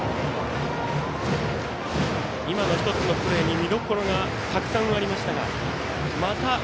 今の１つのプレーに見どころがたくさんありました。